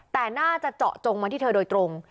แต่น่าจะเจาะจงมาที่เธอโดยตรง